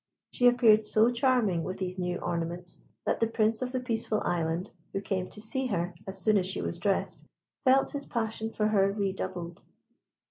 She appeared so charming with these new ornaments, that the Prince of the Peaceful Island, who came to see her as soon as she was dressed, felt his passion for her redoubled.